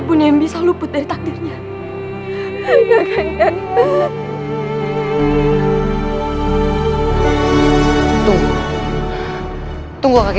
kacang mengubah diri dengan apadi